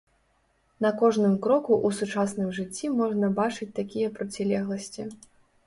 На кожным кроку ў сучасным жыцці можна бачыць такія процілегласці.